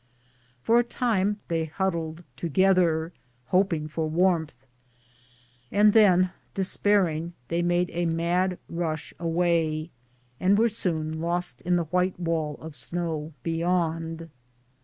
For a time they huddled together, hoping for warmth, and then despairing, they made a mad rush away, and were soon lost in the white wall of snow beyond.